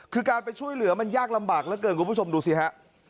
คือการไปช่วยเหลือมันยากลำบากเหลือเกินคุณผู้ชมดูสิฮะ